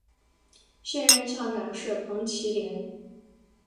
现任校长是彭绮莲。